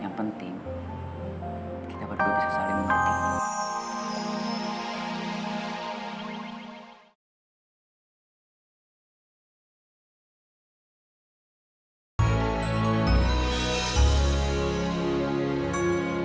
yang penting kita berdua bisa saling membantu